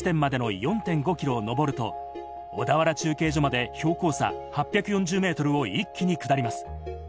湖から最高地点までの４．５ｋｍを上ると、小田原中継所まで標高差８４０ｍを一気に下ります。